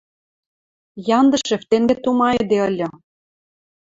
Яндышев тенге тумайыде ыльы.